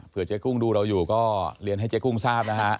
เจ๊กุ้งดูเราอยู่ก็เรียนให้เจ๊กุ้งทราบนะฮะ